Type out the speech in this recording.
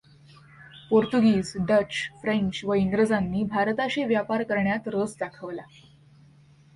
पोर्तुगीज, Dutch, French व इंग्रजांनी भारताशी व्यापार करण्यात रस दाखवला.